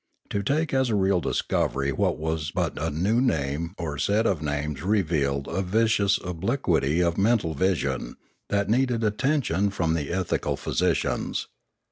To take as a real discovery what was but a new name or set of names revealed a vicious obliquity of mental vision, that needed attention from the ethical phy sicians.